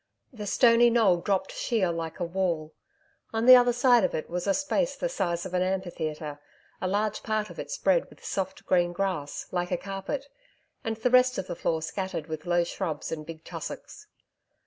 The stony knoll dropped sheer like a wall. On the other side of it was a space the size of an amphitheatre, a large part of it spread with soft green grass, like a carpet, and the rest of the floor scattered with low shrubs and big tussocks.